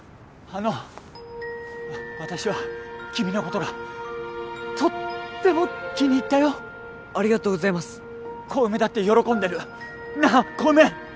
あの私は君のことがとっても気に入ったよありがとうございます小梅だって喜んでるなっ小梅！